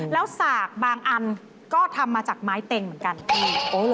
แล้วสากบางอันก็ทำมาจากไม้เต็งเหมือนกัน